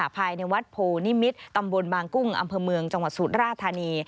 ภายในวัดโพนิมิตรตำบลบางกุ้งอำเภอเมืองจังหวัดสุราธานี